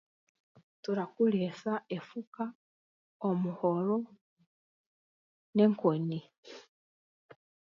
Turakoreesa efuka, omuhoro, n'enkoni.